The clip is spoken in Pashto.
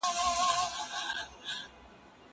موسيقي د زهشوم له خوا اورېدلې کيږي!؟